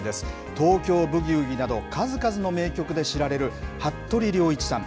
東京ブギウギなど数々の名曲で知られる服部良一さん。